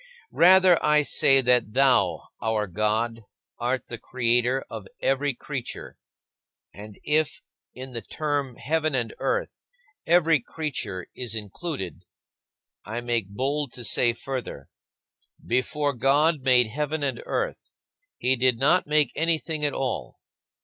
Rather, I say that thou, our God, art the Creator of every creature. And if in the term "heaven and earth" every creature is included, I make bold to say further: "Before God made heaven and earth, he did not make anything at all.